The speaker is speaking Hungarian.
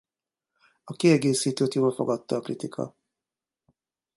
A kiegészítőt jól fogadta a kritika.